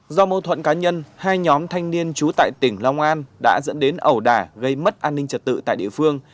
do mâu thuẫn cá nhân hai nhóm thanh niên trú tại tỉnh long an đã dẫn đến ẩu đả gây mất an ninh trật tự tại địa phương